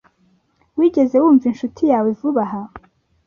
Wigeze wumva inshuti yawe vuba aha